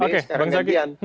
oke bang zaki